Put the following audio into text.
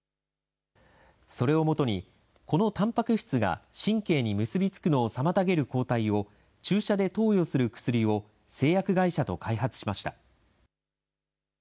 それをもとに、このたんぱく質が神経に結び付くのを妨げる抗体を、注射で投与する薬を製薬会社と開発しました。